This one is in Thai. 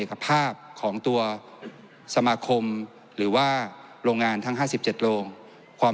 เอกภาพของตัวสมาคมหรือว่าโรงงานทั้งห้าสิบเจ็ดโรงความ